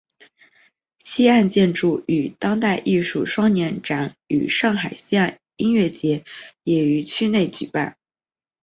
西岸建筑与当代艺术双年展与上海西岸音乐节也于区内举办。